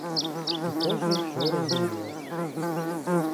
І кожны ўсё разумеў.